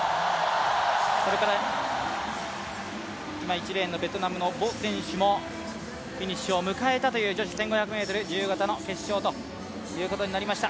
１レーンのベトナムのヴォ選手もフィニッシュを迎えたという女子１５００ｍ自由形の決勝となりました。